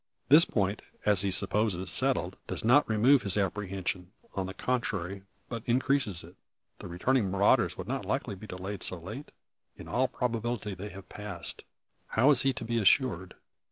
This point, as he supposes, settled, does not remove his apprehension, on the contrary but increases it. The returning marauders would not likely be delayed so late? In all probability they have passed. How is he to be assured?